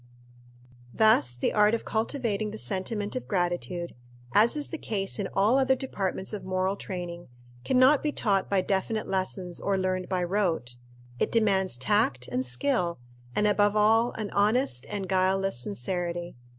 Thus the art of cultivating the sentiment of gratitude, as is the case in all other departments of moral training, can not be taught by definite lessons or learned by rote. It demands tact and skill, and, above all, an honest and guileless sincerity.